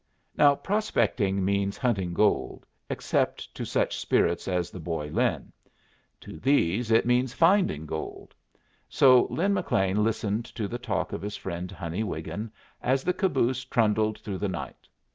Now prospecting means hunting gold, except to such spirits as the boy Lin. To these it means finding gold. So Lin McLean listened to the talk of his friend Honey Wiggin as the caboose trundled through the night.